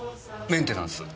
メンテナンス？